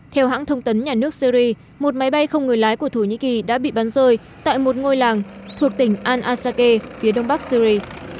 theo hãng thông tấn nhà nước syri một máy bay không người lái của thổ nhĩ kỳ đã bị bắn rơi tại một ngôi làng thuộc tỉnh al asake phía đông bắc syri